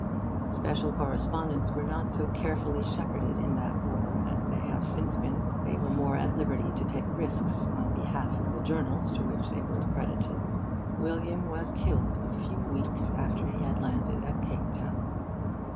Special correspondents were not so carefully shepherded in that war as they have since been. They were more at liberty to take risks, on behalf of the journals to which they were accredited. William was killed a few weeks after he had landed at Cape Town.